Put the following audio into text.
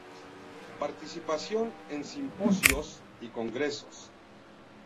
Participación en Simposios y Congresos.